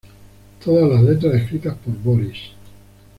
Todas las letras escritas por Boris.